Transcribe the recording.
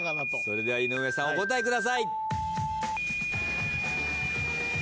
それでは井上さんお答えください。